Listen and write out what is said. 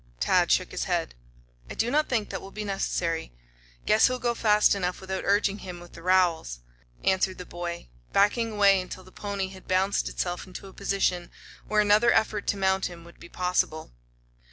Tad shook his head. "I do not think that will be necessary. Guess he'll go fast enough without urging him with the rowels," answered the boy, backing away to wait until the pony had bounced itself into a position where another effort to mount him would be possible.